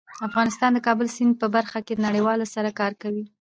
افغانستان د کابل سیند په برخه کې له نړیوالو سره کار کوي.